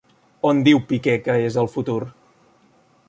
On diu Piqué que és el futur?